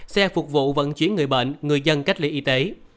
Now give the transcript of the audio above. xe phục vụ vận chuyển người bệnh người dân cách ly y tế